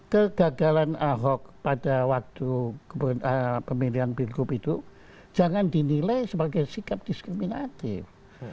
kegagalan ahok pada waktu pemilihan pilgub itu jangan dinilai sebagai sikap diskriminatif